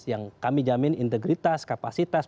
yang kami jamin integritas kapasitas